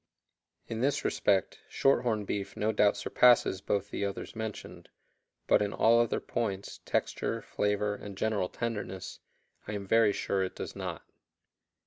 In this respect, shorthorn beef no doubt surpasses both the others mentioned, but in all other points, texture, flavor, and general tenderness, I am very sure it does not.